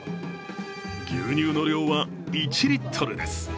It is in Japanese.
牛乳の量は１リットルです。